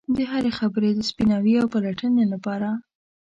د هرې خبرې د سپیناوي او پلټنې لپاره.